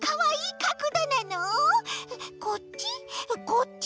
こっち？